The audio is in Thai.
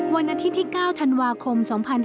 วันอาทิตย์ที่๙ธันวาคม๒๕๕๙